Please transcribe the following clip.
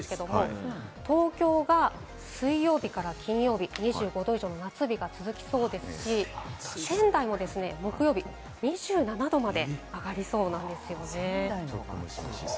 東京が水曜日から金曜日、２５度以上の夏日が続きそうですし、仙台も木曜日２７度まで上がりそうなんです。